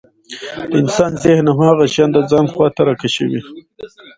د انسان ذهن هماغه شيان د ځان خواته راکشوي.